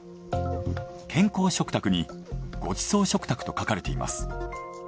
「健康食卓」に「ごちそう食卓」と書かれています。